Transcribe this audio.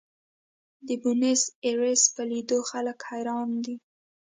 د بونیس ایرس په لیدو خلک حیران دي.